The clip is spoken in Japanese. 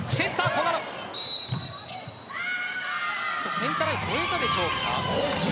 センターラインを越えたでしょうか。